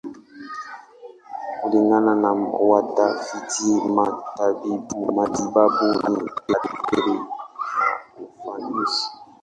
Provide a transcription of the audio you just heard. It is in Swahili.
Kulingana na watafiti matibabu, ni hatari na ufanisi.